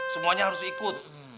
semuanya harus ikut